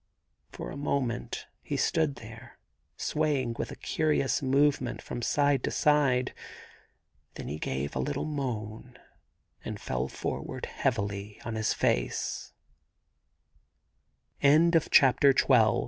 For a moment he stood there, swaying with a curious movement from side to side; then he gave a little moan and fell forward heavily on his f